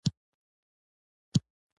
خپل ښايیت، پېغلتوب او حيا په ستر کړې وه